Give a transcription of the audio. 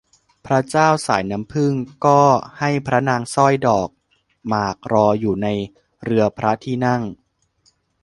พระเจ้าสายน้ำผึ้งก็ให้พระนางสร้อยดอกหมากรออยู่ในเรือพระที่นั่ง